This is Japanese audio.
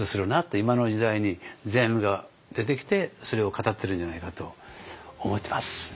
今の時代に世阿弥が出てきてそれを語ってるんじゃないかと思ってます。